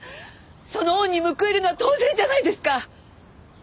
その恩に報いるのは当然じゃないですか！